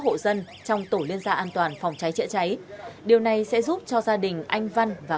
hộ dân trong tổ liên gia an toàn phòng cháy chữa cháy điều này sẽ giúp cho gia đình anh văn và